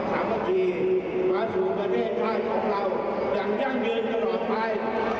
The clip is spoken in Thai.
อย่างยั่งยืนตลอดไป